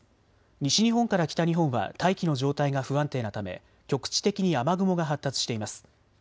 西日本から北日本は大気の状態が不安定なため局地的に雨雲が発達しています。